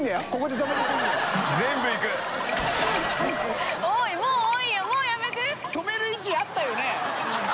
止める位置あったよね？